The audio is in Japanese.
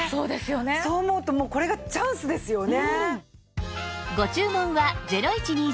そう思うともうこれがチャンスですよね！